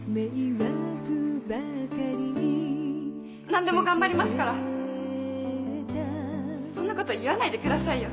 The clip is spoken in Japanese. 何でも頑張りますからそんなこと言わないでくださいよ。